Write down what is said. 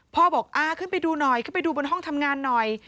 พ่อบอกอ่าขึ้นไปดูหน่อยขึ้นไปดูบนห้องทำงานหน่อย